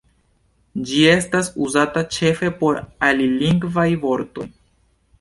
Ĝi estas uzata ĉefe por alilingvaj vortoj.